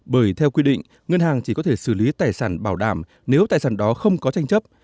bởi theo quy định ngân hàng chỉ có thể xử lý tài sản bảo đảm nếu tài sản đó không có tranh chấp